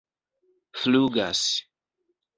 flugas